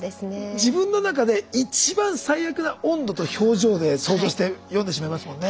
自分の中で一番最悪な温度と表情で想像して読んでしまいますもんね。